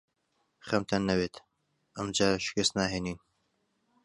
خەمتان نەبێت. ئەم جارە شکست ناهێنین.